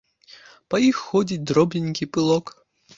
Па іх ходзіць дробненькі пылок.